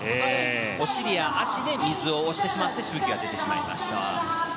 お尻や足で水を押してしまってしぶきが出てしまいました。